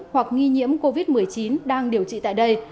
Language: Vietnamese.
hoặc nghi nhiễm covid một mươi chín đang điều trị tại đây